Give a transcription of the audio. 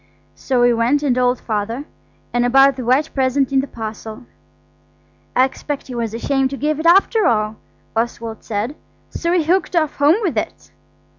So we went and told Father, and about the white present in the parcel. "I expect he was ashamed to give it after all," Oswald said, "so he hooked off home with it."